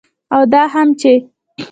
او دا هم چې